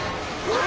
うわ！